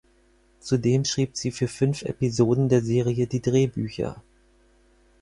Zudem schrieb sie für fünf Episoden der Serie die Drehbücher.